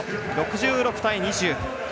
６６対２０。